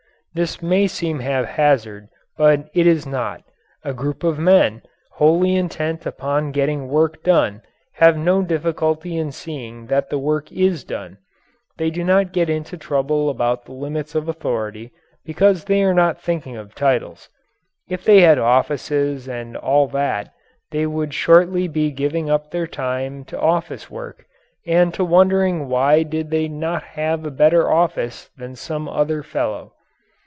This may seem haphazard, but it is not. A group of men, wholly intent upon getting work done, have no difficulty in seeing that the work is done. They do not get into trouble about the limits of authority, because they are not thinking of titles. If they had offices and all that, they would shortly be giving up their time to office work and to wondering why did they not have a better office than some other fellow.